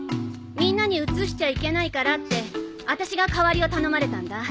みんなにうつしちゃいけないからってあたしが代わりを頼まれたんだ。